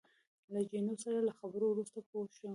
له جینو سره له خبرو وروسته پوه شوم.